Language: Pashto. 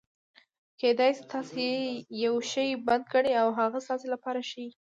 کېدای سي تاسي یوشي بد ګڼى او هغه ستاسي له پاره ښه يي.